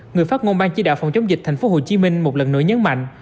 người phát ngôn ban chỉ đạo phòng chống dịch thành phố hồ chí minh một lần nữa nhấn mạnh